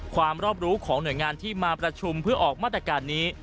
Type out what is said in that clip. ความรอบรู้ของหน่วยงานที่มาประชุมเพื่อออกมาตรการนี้